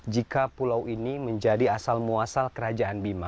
jika pulau ini menjadi asal muasal kerajaan bima